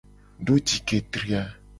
Do ji ke tri a.